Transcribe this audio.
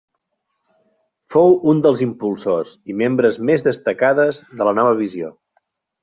Fou un dels impulsors i membres més destacades de la Nova Visió.